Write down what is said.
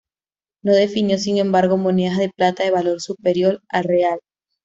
No definió, sin embargo, monedas de plata de valor superior al real.